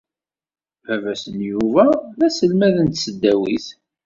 Baba-s n Yuba d aselmad n tesdawit.